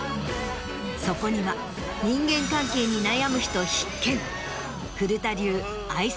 そこには人間関係に悩む人必見！